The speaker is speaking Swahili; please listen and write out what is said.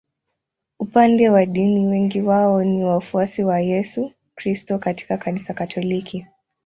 Upande wa dini wengi wao ni wafuasi wa Yesu Kristo katika Kanisa Katoliki.